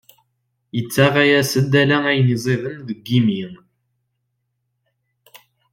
Yettaǧǧa-yas-d ala ayen ẓiden deg yimi.